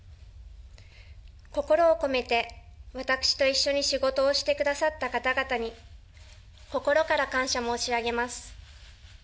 心を込めて私と一緒に仕事をしてくださった方々に、心から感謝申し上げます。